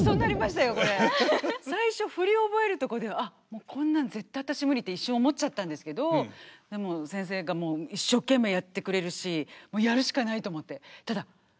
最初振りを覚えるとこで「あっこんなん絶対私無理」って一瞬思っちゃったんですけどでも先生がもう一生懸命やってくれるしもうやるしかないと思って。